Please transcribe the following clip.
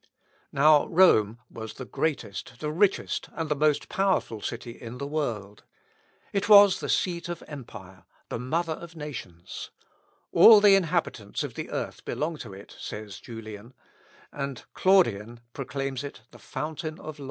Now Rome was the greatest, the richest, and the most powerful city in the world. It was the seat of Empire, the mother of nations; "All the inhabitants of the earth belong to it," says Julian; and Claudian proclaims it "the fountain of law."